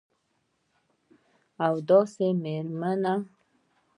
او داسي میرمن